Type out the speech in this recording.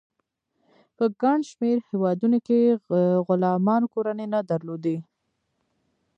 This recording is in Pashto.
په ګڼ شمیر هیوادونو کې غلامانو کورنۍ نه درلودې.